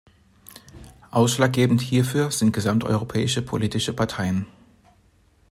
Ausschlaggebend hierfür sind gesamteuropäische politische Parteien.